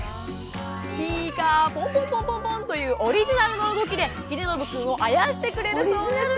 「ピーカーポンポンポンポン」というオリジナルの動きでひでのぶくんをあやしてくれるそうです。